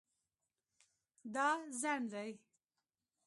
دا ځنډ دی